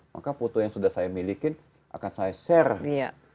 maka foto yang sudah saya miliki akan saya share